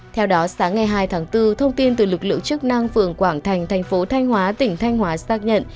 theo đó sáng ngày hai tháng bốn thông tin từ lực lượng chức năng phường quảng thành thành phố thanh hóa tỉnh thanh hóa xác nhận